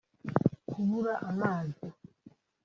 kubura amazi